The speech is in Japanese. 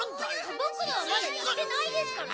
僕のはまだやってないですから！